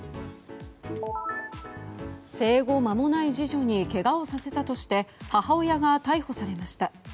生後間もない次女にけがをさせたとして母親が逮捕されました。